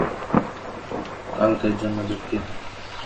কালকের জন্য দুঃখিত।